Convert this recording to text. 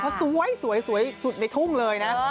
เขาสวยสุดในทุ่งเลยนะ